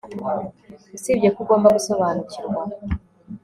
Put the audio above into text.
usibye ko ugomba gusobanukirwa